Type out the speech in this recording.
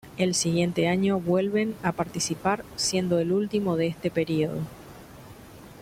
El siguiente año vuelven a participar siendo el último de este periodo.